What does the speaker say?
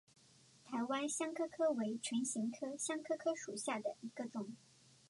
台湾香科科为唇形科香科科属下的一个种。